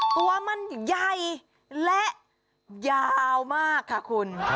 ตัวมันใหญ่และยาวมากค่ะคุณ